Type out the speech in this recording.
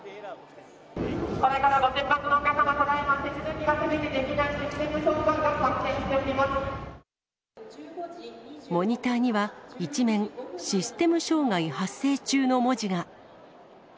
これからご出発のお客様、ただいま、手続きがすべてできないシステム障害が発生しておりまモニターには一面、システム障害発生中の文字が。